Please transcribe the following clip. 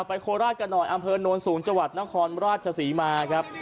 โคราชกันหน่อยอำเภอโน้นสูงจังหวัดนครราชศรีมาครับ